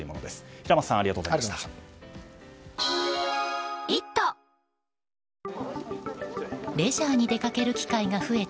平松さんありがとうございました。